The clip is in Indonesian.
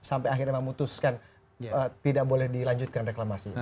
sampai akhirnya memutuskan tidak boleh dilanjutkan reklamasi